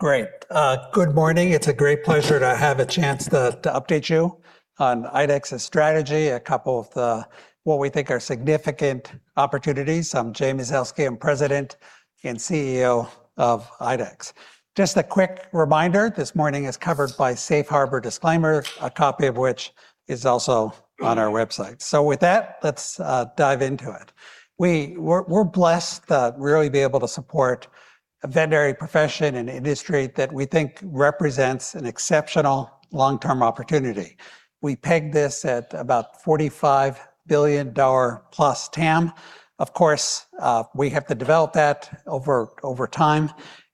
Great. Good morning. It's a great pleasure to have a chance to update you on IDEXX's strategy, a couple of what we think are significant opportunities. I'm Jay Mazelsky. I'm President and CEO of IDEXX. Just a quick reminder, this morning is covered by safe harbor disclaimer, a copy of which is also on our website. With that, let's dive into it. We're blessed to really be able to support a veterinary profession and industry that we think represents an exceptional long-term opportunity. We peg this at about $45 billion+ TAM. Of course, we have to develop that over time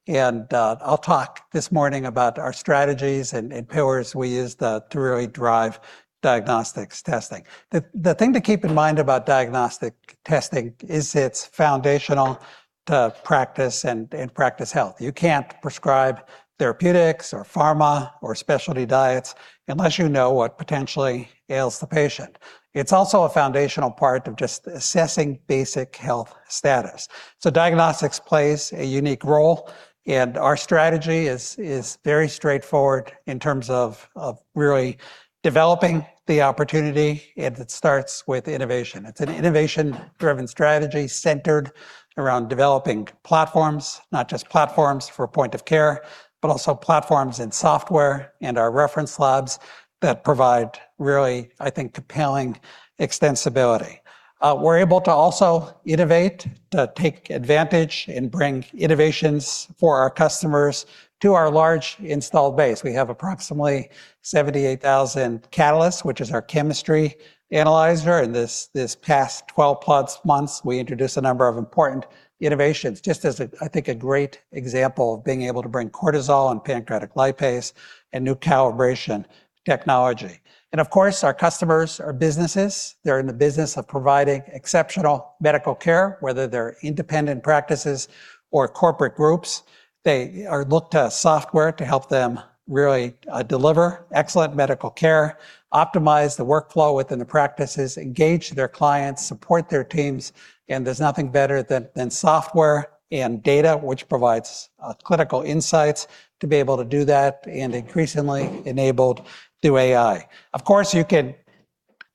and I'll talk this morning about our strategies and pillars we use to really drive diagnostics testing. The thing to keep in mind about diagnostic testing is it's foundational to practice and practice health. You can't prescribe therapeutics or pharma or specialty diets unless you know what potentially ails the patient. It's also a foundational part of just assessing basic health status. Diagnostics plays a unique role, and our strategy is very straightforward in terms of really developing the opportunity, and it starts with innovation. It's an innovation-driven strategy centered around developing platforms, not just platforms for point of care, but also platforms in software and our reference labs that provide really, I think, compelling extensibility. We're able to also innovate, to take advantage and bring innovations for our customers to our large installed base. We have approximately 78,000 Catalyst, which is our chemistry analyzer. In this past 12+ months, we introduced a number of important innovations, just as a, I think, a great example of being able to bring cortisol and pancreatic lipase and new calibration technology. Of course, our customers are businesses. They're in the business of providing exceptional medical care, whether they're independent practices or corporate groups. They are looked to software to help them really, deliver excellent medical care, optimize the workflow within the practices, engage their clients, support their teams, and there's nothing better than software and data which provides clinical insights to be able to do that and increasingly enabled through AI. Of course, you can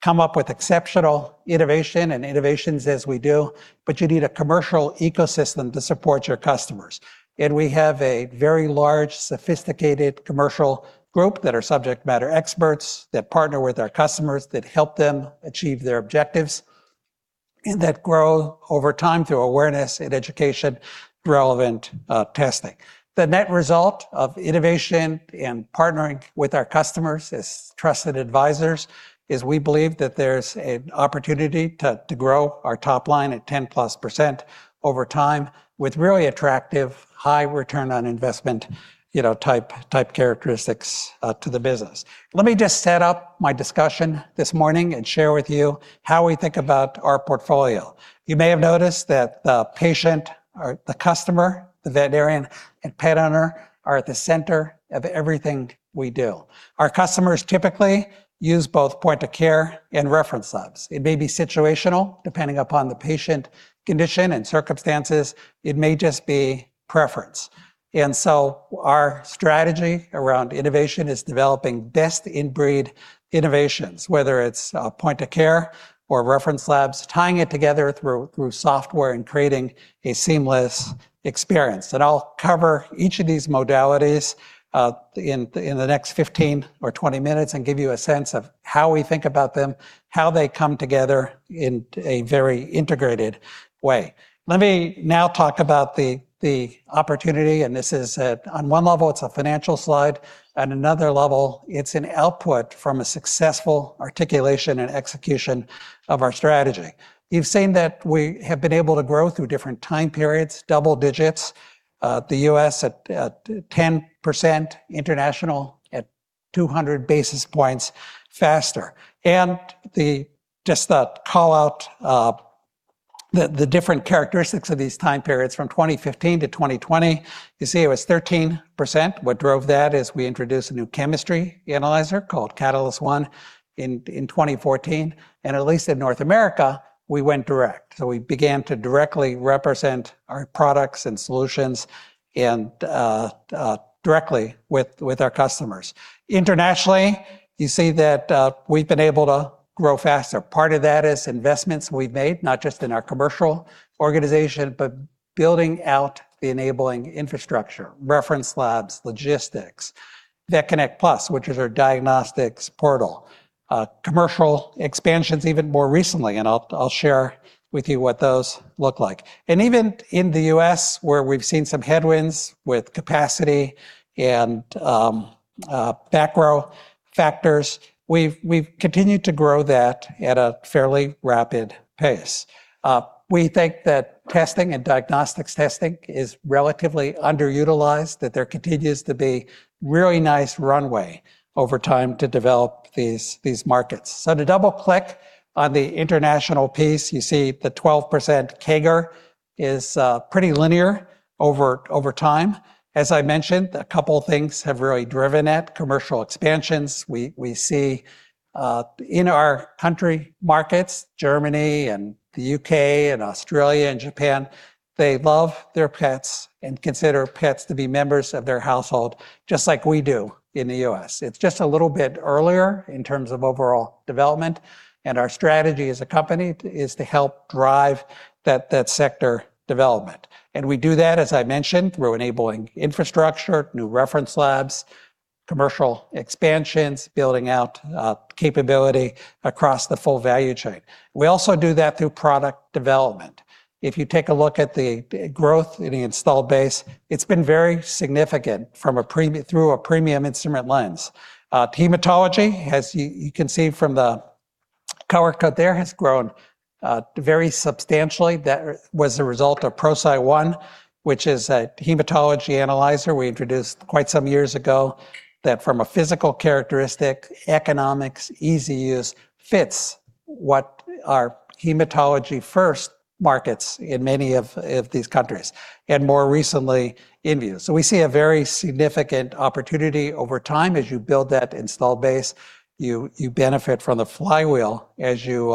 come up with exceptional innovation and innovations as we do, but you need a commercial ecosystem to support your customers. We have a very large, sophisticated commercial group that are subject matter experts that partner with our customers, that help them achieve their objectives, and that grow over time through awareness and education-relevant testing. The net result of innovation and partnering with our customers as trusted advisors is we believe that there's an opportunity to grow our top line at 10%+ over time with really attractive high ROI, you know, type characteristics to the business. Let me just set up my discussion this morning and share with you how we think about our portfolio. You may have noticed that the patient or the customer, the veterinarian and pet owner, are at the center of everything we do. Our customers typically use both point of care and reference labs. It may be situational, depending upon the patient condition and circumstances. It may just be preference. Our strategy around innovation is developing best-in-breed innovations, whether it's point of care or reference labs, tying it together through software and creating a seamless experience. I'll cover each of these modalities in the next 15 or 20 minutes and give you a sense of how we think about them, how they come together in a very integrated way. Let me now talk about the opportunity, this is at on one level, it's a financial slide, at another level, it's an output from a successful articulation and execution of our strategy. You've seen that we have been able to grow through different time periods, double digits, the U.S. at 10%, international at 200 basis points faster. The just to call out the different characteristics of these time periods from 2015 to 2020, you see it was 13%. What drove that is we introduced a new chemistry analyzer called Catalyst One in 2014, and at least in North America, we went direct. We began to directly represent our products and solutions and directly with our customers. Internationally, you see that we've been able to grow faster. Part of that is investments we've made, not just in our commercial organization, but building out the enabling infrastructure, reference labs, logistics. VetConnect PLUS, which is our diagnostics portal. Commercial expansions even more recently, and I'll share with you what those look like. Even in the U.S., where we've seen some headwinds with capacity and background factors, we've continued to grow that at a fairly rapid pace. We think that testing and diagnostics testing is relatively underutilized, that there continues to be really nice runway over time to develop these markets. To double-click on the international piece, you see the 12% CAGR is pretty linear over time. As I mentioned, a couple things have really driven that. Commercial expansions, we see, in our country markets, Germany and the U.K. and Australia and Japan, they love their pets and consider pets to be members of their household just like we do in the U.S. It's just a little bit earlier in terms of overall development and our strategy as a company is to help drive that sector development. And we do that, as I mentioned, through enabling infrastructure, new reference labs, commercial expansions, building out capability across the full value chain. We also do that through product development. If you take a look at the growth in the installed base, it's been very significant from a through a premium instrument lens. Hematology, as you can see from the color code there, has grown very substantially. That was a result of ProCyte Dx, which is a hematology analyzer we introduced quite some years ago that from a physical characteristic, economics, easy use, fits what our hematology first markets in many of these countries, and more recently, India. We see a very significant opportunity over time as you build that install base, you benefit from the flywheel as you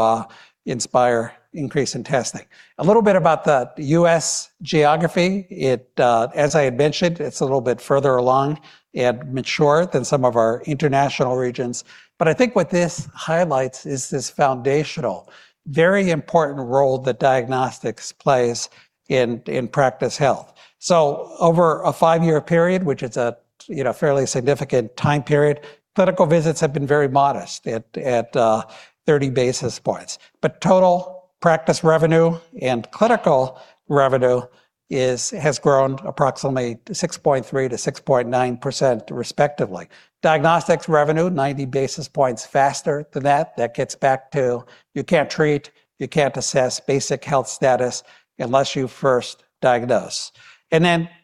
inspire increase in testing. A little bit about the U.S. geography. As I had mentioned, it's a little bit further along and mature than some of our international regions. I think what this highlights is this foundational, very important role that diagnostics plays in practice health. Over a five-year period, which is a, you know, fairly significant time period, clinical visits have been very modest at 30 basis points. Total practice revenue and clinical revenue has grown approximately 6.3%-6.9% respectively. Diagnostics revenue, 90 basis points faster than that. That gets back to you can't treat, you can't assess basic health status unless you first diagnose. In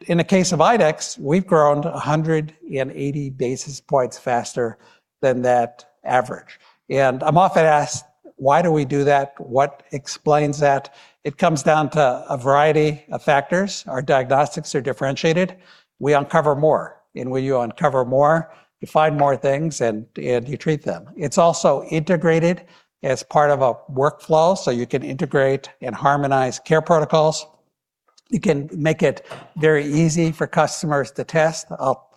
the case of IDEXX, we've grown 180 basis points faster than that average. I'm often asked, why do we do that? What explains that? It comes down to a variety of factors. Our diagnostics are differentiated. We uncover more, and when you uncover more, you find more things and you treat them. It's also integrated as part of a workflow, so you can integrate and harmonize care protocols. You can make it very easy for customers to test. I'll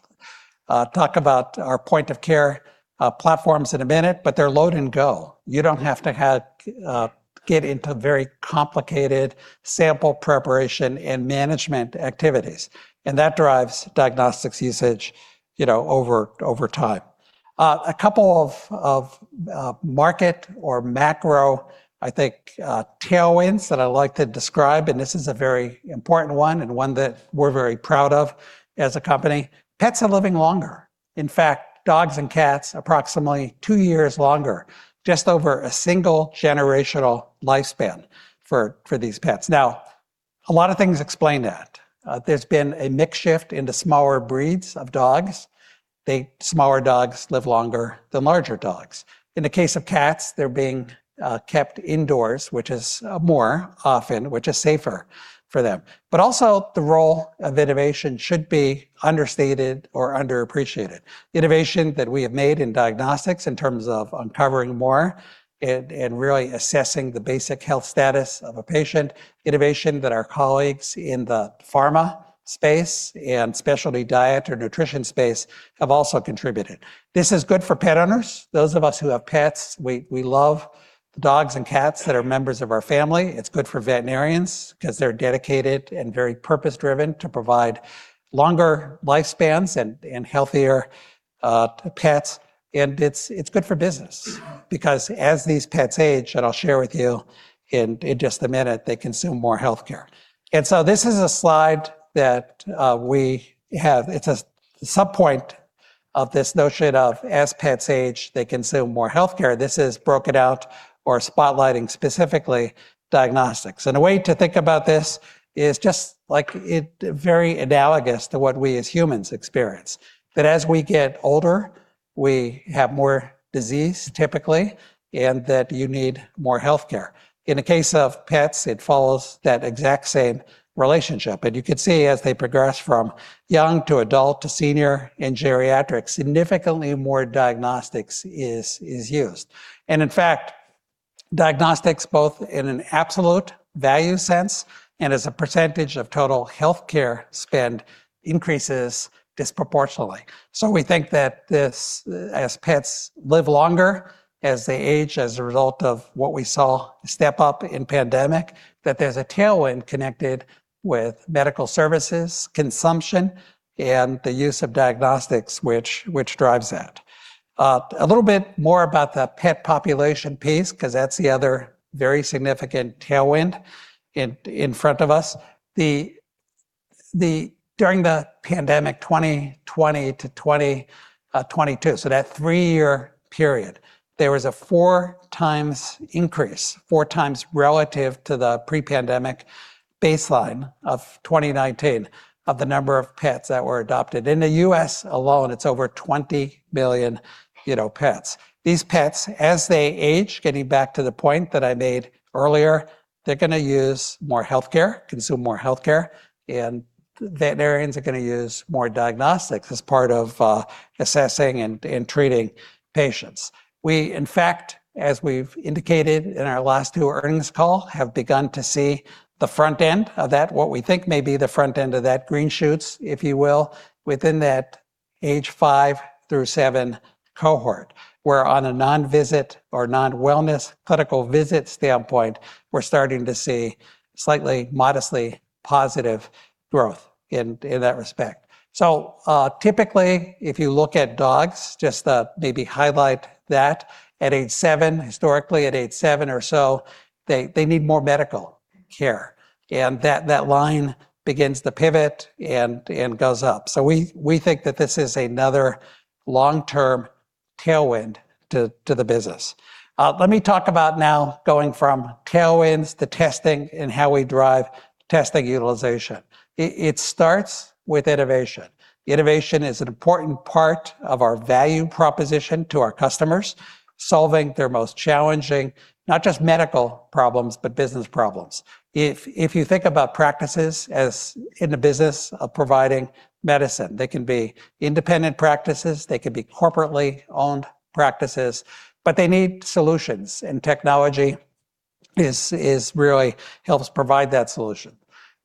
talk about our point of care platforms in a minute, they're load and go. You don't have to have, get into very complicated sample preparation and management activities, and that drives diagnostics usage, you know, over time. A couple of market or macro, I think, tailwinds that I like to describe, and this is a very important one and one that we're very proud of as a company. Pets are living longer. In fact, dogs and cats approximately two years longer, just over a single generational lifespan for these pets. Now, a lot of things explain that. There's been a mix shift into smaller breeds of dogs. The smaller dogs live longer than larger dogs. In the case of cats, they're being kept indoors, which is more often, which is safer for them. Also the role of innovation should be understated or underappreciated. Innovation that we have made in diagnostics in terms of uncovering more and really assessing the basic health status of a patient, innovation that our colleagues in the pharma space and specialty diet or nutrition space have also contributed. This is good for pet owners. Those of us who have pets, we love the dogs and cats that are members of our family. It's good for veterinarians because they're dedicated and very purpose-driven to provide longer lifespans and healthier pets. It's good for business because as these pets age, and I'll share with you in just a minute, they consume more healthcare. This is a slide that we have. It's a sub point of this notion of as pets age, they consume more healthcare. This is broken out or spotlighting specifically diagnostics. A way to think about this is just like it very analogous to what we as humans experience, that as we get older, we have more disease typically, and that you need more healthcare. In the case of pets, it follows that exact same relationship. You can see as they progress from young to adult to senior and geriatric, significantly more diagnostics is used. In fact, diagnostics both in an absolute value sense and as a percentage of total healthcare spend increases disproportionately. We think that this, as pets live longer, as they age as a result of what we saw step up in pandemic, that there's a tailwind connected with medical services, consumption, and the use of diagnostics, which drives that. A little bit more about the pet population piece 'cause that's the other very significant tailwind in front of us. During the pandemic, 2020 to 2022, so that three-year period, there was a four times increase relative to the pre-pandemic baseline of 2019 of the number of pets that were adopted. In the U.S. alone, it's over $20 billion, you know, pets. These pets, as they age, getting back to the point that I made earlier, they're gonna use more healthcare, consume more healthcare, and veterinarians are going to use more diagnostics as part of assessing and treating patients. We, in fact, as we've indicated in our last two earnings call, have begun to see the front end of that, what we think may be the front end of that green shoots, if you will, within that age five through seven cohort, where on a non-visit or non-wellness clinical visit standpoint, we're starting to see slightly modestly positive growth in that respect. Typically, if you look at dogs, just to maybe highlight that, at age seven, historically at age seven or so, they need more medical care, and that line begins to pivot and goes up. We think that this is another long-term tailwind to the business. Let me talk about now going from tailwinds to testing and how we drive testing utilization. It starts with innovation. Innovation is an important part of our value proposition to our customers, solving their most challenging, not just medical problems, but business problems. If you think about practices as in the business of providing medicine, they can be independent practices, they could be corporately owned practices, but they need solutions and technology is really helps provide that solution.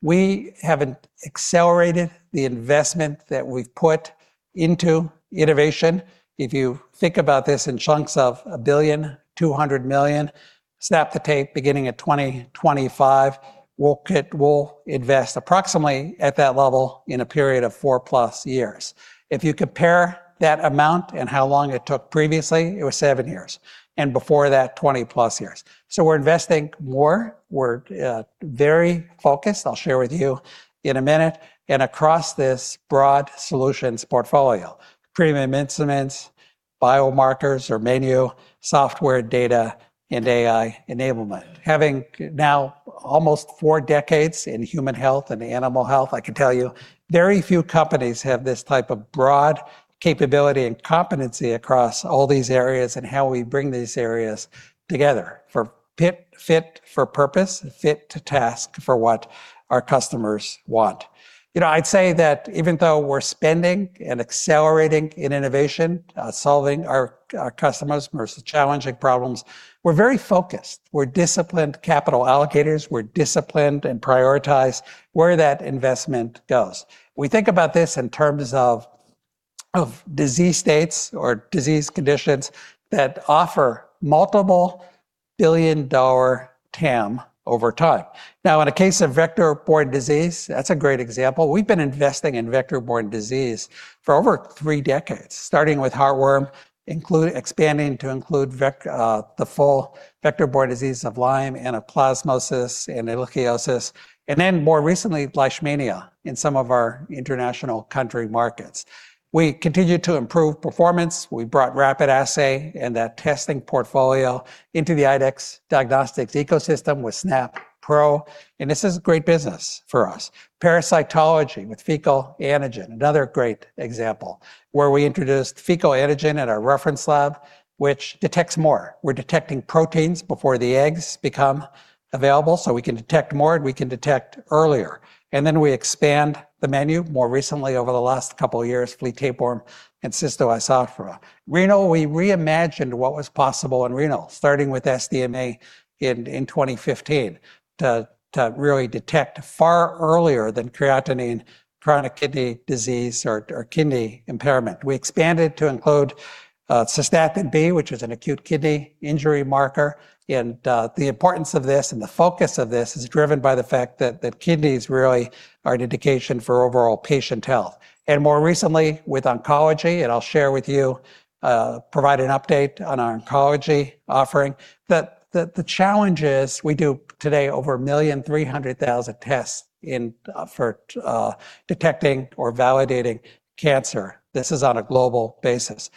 We have accelerated the investment that we've put into innovation. If you think about this in chunks of $1.2 billion, snap the tape beginning at 2025, we'll invest approximately at that level in a period of 4+ years. If you compare that amount and how long it took previously, it was seven years, and before that, 20+ years. We're investing more. We're very focused. I'll share with you in a minute and across this broad solutions portfolio, premium instruments, biomarkers or menu, software data and AI enablement. Having now almost four decades in human health and animal health, I can tell you very few companies have this type of broad capability and competency across all these areas and how we bring these areas together for pit fit, for purpose, fit to task for what our customers want. You know, I'd say that even though we're spending and accelerating in innovation, solving our customers' most challenging problems, we're very focused. We're disciplined capital allocators. We're disciplined and prioritize where that investment goes. We think about this in terms of disease states or disease conditions that offer multiple billion-dollar TAM over time. Now, in the case of vector-borne disease, that's a great example. We've been investing in vector-borne disease for over three decades, starting with heartworm, expanding to include the full vector-borne disease of Lyme, anaplasmosis, ehrlichiosis, then more recently, Leishmania in some of our international country markets. We continued to improve performance. We brought rapid assay and that testing portfolio into the IDEXX diagnostics ecosystem with SNAP Pro. This is great business for us. Parasitology with fecal antigen, another great example, where we introduced fecal antigen at our reference lab, which detects more. We're detecting proteins before the eggs become available, so we can detect more and we can detect earlier. Then we expand the menu more recently over the last couple of years, flea tapeworm and Cystoisospora. Renal, we reimagined what was possible in renal, starting with SDMA in 2015 to really detect far earlier than creatinine chronic kidney disease or kidney impairment. We expanded to include Cystatin B, which is an acute kidney injury marker. The importance of this and the focus of this is driven by the fact that kidneys really are an indication for overall patient health. More recently with oncology, and I'll share with you, provide an update on our oncology offering. The challenge is we do today over 1,300,000 tests in for detecting or validating cancer. This is on a global basis.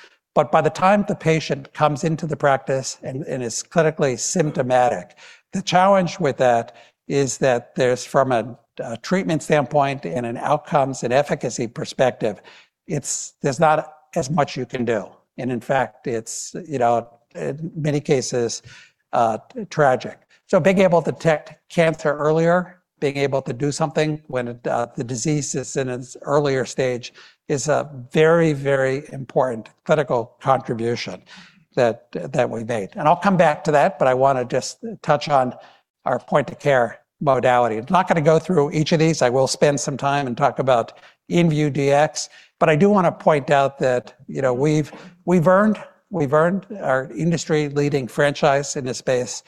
By the time the patient comes into the practice and is clinically symptomatic, the challenge with that is that there's, from a treatment standpoint and an outcomes and efficacy perspective, there's not as much you can do. In fact, it's, you know, in many cases, tragic. Being able to detect cancer earlier, being able to do something when it the disease is in its earlier stage is a very, very important clinical contribution that we made. I'll come back to that, but I wanna just touch on our point of care modality. I'm not gonna go through each of these. I will spend some time and talk about IDEXX inVue Dx, but I do wanna point out that, you know, we've earned our industry-leading franchise in this space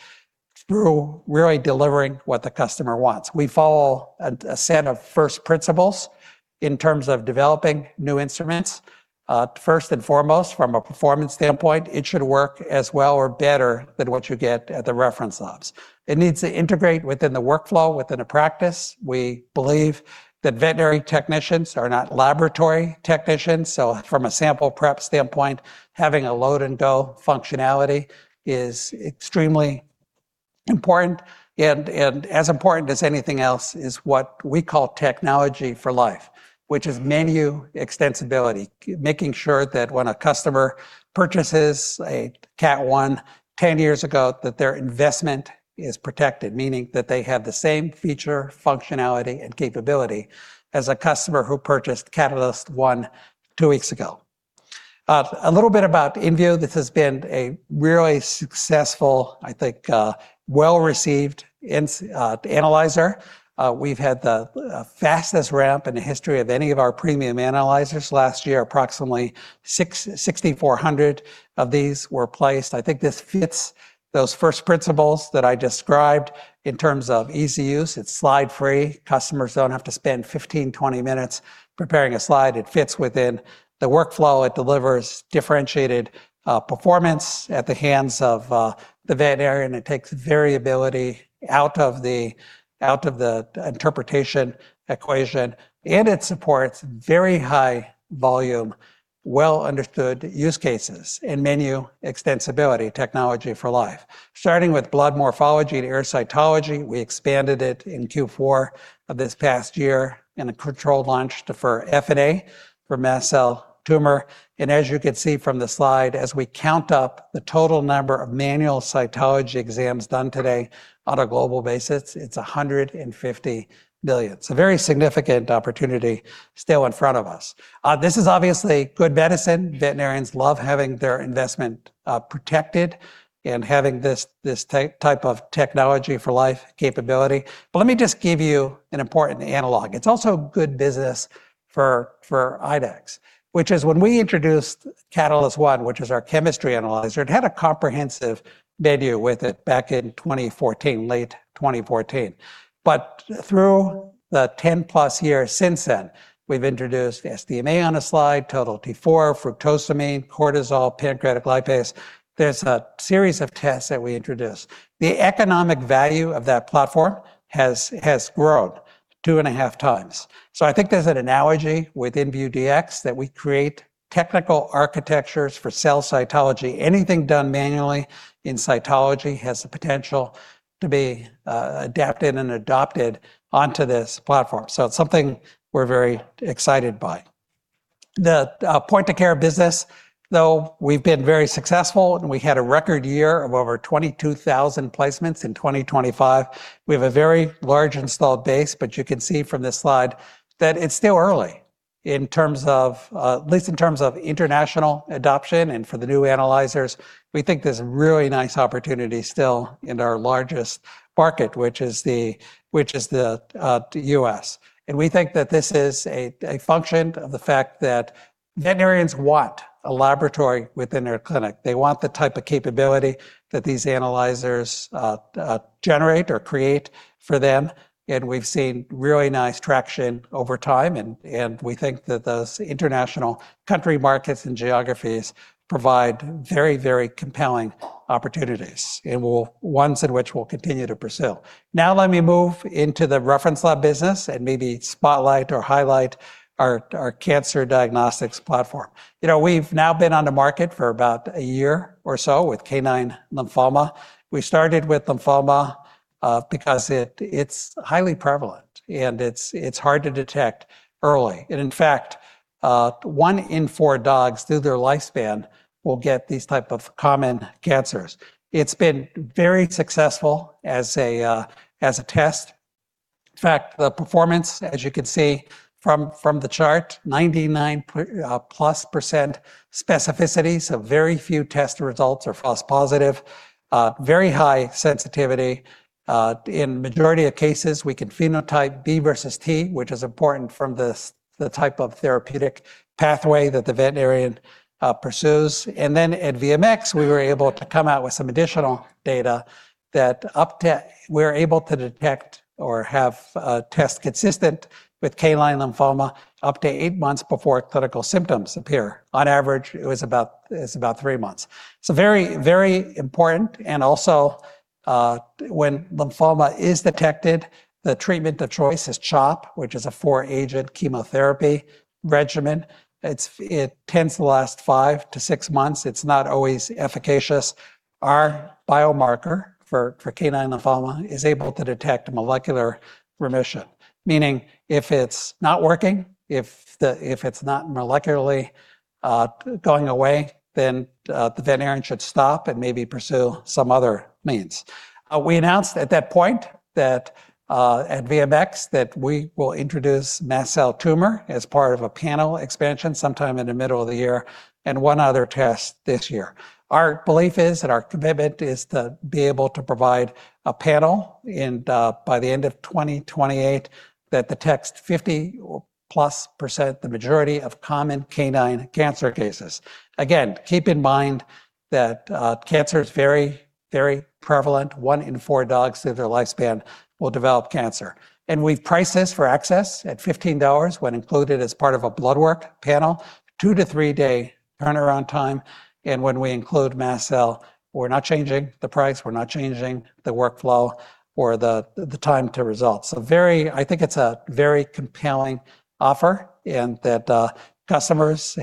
through really delivering what the customer wants. We follow a set of first principles in terms of developing new instruments. First and foremost, from a performance standpoint, it should work as well or better than what you get at the reference labs. It needs to integrate within the workflow, within a practice. We believe that veterinary technicians are not laboratory technicians, so from a sample prep standpoint, having a load and go functionality is extremely important and as important as anything else is what we call technology for life, which is menu extensibility. Making sure that when a customer purchases a Catalyst One 10 years ago, that their investment is protected, meaning that they have the same feature, functionality, and capability as a customer who purchased Catalyst One two weeks ago. A little bit about inVue. This has been a really successful, I think, well-received analyzer. We've had the fastest ramp in the history of any of our premium analyzers. Last year, approximately 6,400 of these were placed. I think this fits those first principles that I described in terms of easy use. It's slide-free. Customers don't have to spend 15, 20 minutes preparing a slide. It fits within the workflow. It delivers differentiated performance at the hands of the veterinarian. It takes variability out of the interpretation equation. It supports very high volume, well-understood use cases and menu extensibility technology for life. Starting with blood morphology to AI cytology, we expanded it in Q4 of this past year in a controlled launch for FNA for mast cell tumor. As you can see from the slide, as we count up the total number of manual cytology exams done today on a global basis, it's $150 billion. It's a very significant opportunity still in front of us. This is obviously good medicine. Veterinarians love having their investment protected and having this type of technology for life capability. Let me just give you an important analog. It's also good business for IDEXX, which is when we introduced Catalyst One, which is our chemistry analyzer, it had a comprehensive menu with it back in 2014, late 2014. Through the 10+ years since then, we've introduced SDMA on a slide, Total T4, Fructosamine, cortisol, pancreatic lipase. There's a series of tests that we introduced. The economic value of that platform has grown 2.5x. I think there's an analogy with IDEXX inVue Dx that we create technical architectures for cell cytology. Anything done manually in cytology has the potential to be adapted and adopted onto this platform. It's something we're very excited by. The point-of-care business, though we've been very successful, and we had a record year of over 22,000 placements in 2025. We have a very large installed base, but you can see from this slide that it's still early in terms of, at least in terms of international adoption and for the new analyzers. We think there's a really nice opportunity still in our largest market, which is the U.S. We think that this is a function of the fact that veterinarians want a laboratory within their clinic. They want the type of capability that these analyzers generate or create for them. We've seen really nice traction over time, and we think that those international country markets and geographies provide very, very compelling opportunities, ones in which we'll continue to pursue. Let me move into the reference lab business and maybe spotlight or highlight our cancer diagnostics platform. You know, we've now been on the market for about a year or so with canine lymphoma. We started with lymphoma because it's highly prevalent and it's hard to detect early. In fact, one in four dogs through their lifespan will get these type of common cancers. It's been very successful as a test. In fact, the performance, as you can see from the chart, 99% specificity, so very few test results are false positive. Very high sensitivity. In majority of cases, we can phenotype B versus T, which is important from the type of therapeutic pathway that the veterinarian pursues. At VMX, we were able to come out with some additional data that up to... We're able to detect or have a test consistent with canine lymphoma up to eight months before clinical symptoms appear. On average, it's about three months. Very, very important. Also, when lymphoma is detected, the treatment of choice is CHOP, which is a four-agent chemotherapy regimen. It tends to last five to six months. It's not always efficacious. Our biomarker for canine lymphoma is able to detect molecular remission, meaning if it's not working, if it's not molecularly going away, then the veterinarian should stop and maybe pursue some other means. We announced at that point that at VMX that we will introduce mast cell tumor as part of a panel expansion sometime in the middle of the year and one other test this year. Our belief is and our commitment is to be able to provide a panel and by the end of 2028 that detects 50% or plus percent the majority of common canine cancer cases. Again, keep in mind that cancer is very prevalent. One in four dogs through their lifespan will develop cancer. We've priced this for access at $15 when included as part of a blood work panel, two to three day turnaround time. When we include mast cell, we're not changing the price, we're not changing the workflow or the time to results. I think it's a very compelling offer in that customers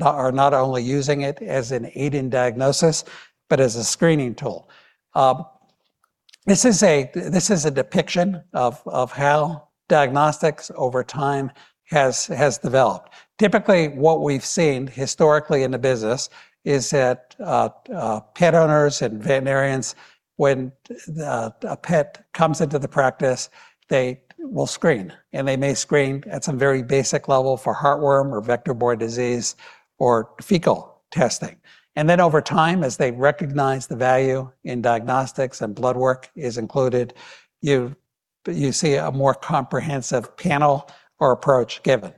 are not only using it as an aid in diagnosis but as a screening tool. This is a depiction of how diagnostics over time has developed. Typically, what we've seen historically in the business is that pet owners and veterinarians when a pet comes into the practice, they will screen. They may screen at some very basic level for heartworm or vector-borne disease or fecal testing. Then over time, as they recognize the value in diagnostics and blood work is included, you see a more comprehensive panel or approach given.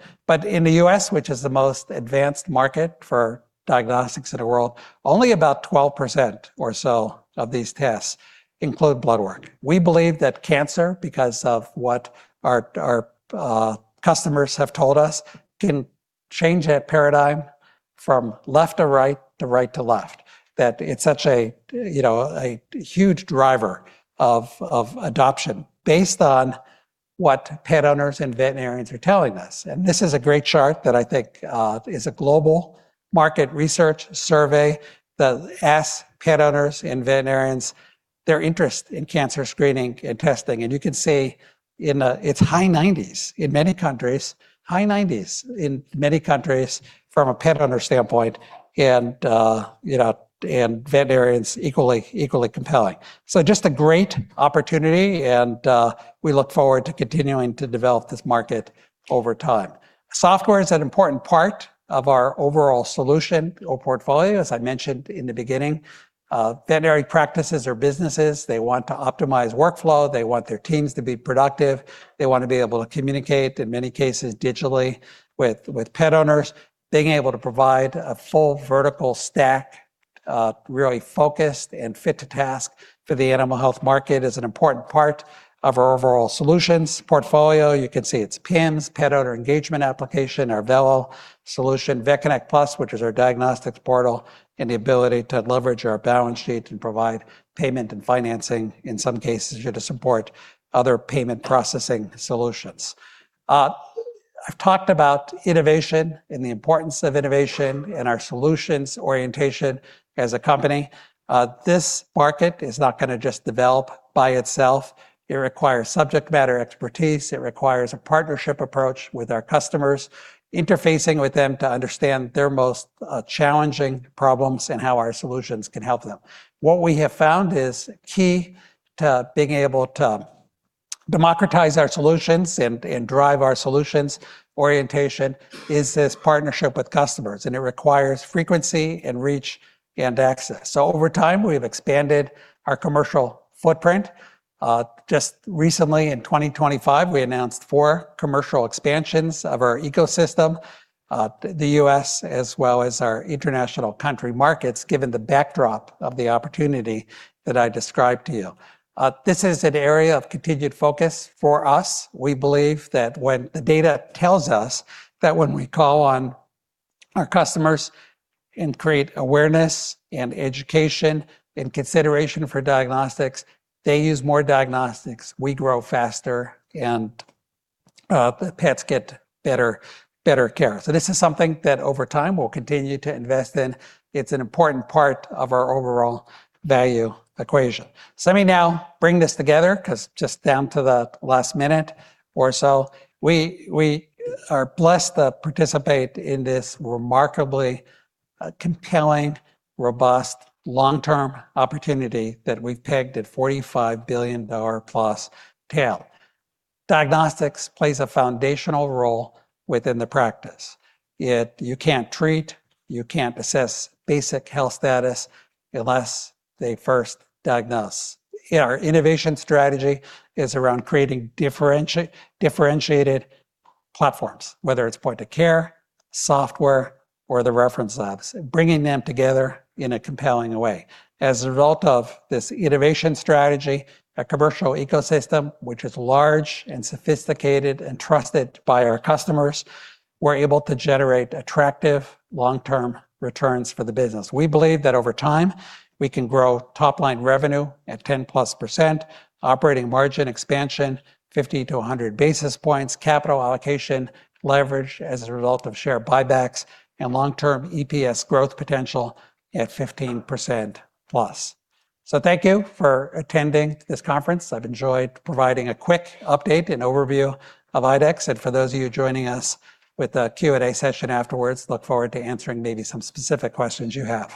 In the U.S., which is the most advanced market for diagnostics in the world, only about 12% or so of these tests include blood work. We believe that cancer, because of what our customers have told us, can change that paradigm from left to right to right to left. That it's such a, you know, a huge driver of adoption based on what pet owners and veterinarians are telling us. This is a great chart that I think is a global market research survey that asks pet owners and veterinarians their interest in cancer screening and testing. You can see in its high 90s in many countries. High 90s in many countries from a pet owner standpoint and, you know, and veterinarians equally compelling. Just a great opportunity, and we look forward to continuing to develop this market over time. Software is an important part of our overall solution or portfolio, as I mentioned in the beginning. Veterinary practices are businesses. They want to optimize workflow. They want their teams to be productive. They want to be able to communicate, in many cases digitally with pet owners. Being able to provide a full vertical stack, really focused and fit to task for the animal health market is an important part of our overall solutions portfolio. You can see it's PIMS, pet owner engagement application, our Vello solution, VetConnect PLUS, which is our diagnostics portal, and the ability to leverage our balance sheet and provide payment and financing in some cases here to support other payment processing solutions. I've talked about innovation and the importance of innovation and our solutions orientation as a company. This market is not gonna just develop by itself. It requires subject matter expertise. It requires a partnership approach with our customers, interfacing with them to understand their most challenging problems and how our solutions can help them. What we have found is key to being able to democratize our solutions and drive our solutions orientation is this partnership with customers, and it requires frequency and reach and access. Over time, we've expanded our commercial footprint. Just recently in 2025, we announced four commercial expansions of our ecosystem, the U.S. as well as our international country markets, given the backdrop of the opportunity that I described to you. This is an area of continued focus for us. We believe that when the data tells us that when we call on our customers and create awareness and education and consideration for diagnostics, they use more diagnostics. We grow faster, and the pets get better care. This is something that over time we'll continue to invest in. It's an important part of our overall value equation. Let me now bring this together 'cause just down to the last minute or so. We are blessed to participate in this remarkably compelling, robust, long-term opportunity that we've pegged at $45 billion+ tail. Diagnostics plays a foundational role within the practice. Yet you can't treat, you can't assess basic health status unless they first diagnose. Our innovation strategy is around creating differentiated platforms, whether it's point of care, software or the reference labs, bringing them together in a compelling way. As a result of this innovation strategy, a commercial ecosystem, which is large and sophisticated and trusted by our customers, we're able to generate attractive long-term returns for the business. We believe that over time, we can grow top-line revenue at 10%+, operating margin expansion 50-100 basis points, capital allocation leverage as a result of share buybacks, and long-term EPS growth potential at 15%+. Thank you for attending this conference. I've enjoyed providing a quick update and overview of IDEXX. For those of you joining us with a Q&A session afterwards, look forward to answering maybe some specific questions you have.